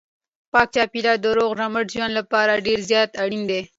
پاک چاپیریال د روغ رمټ ژوند لپاره ډېر زیات اړین دی.